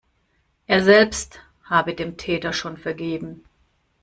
Er selbst habe dem Täter schon vergeben.